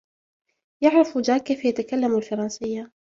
يعرف جاك كيف يتكلم الفرنسية.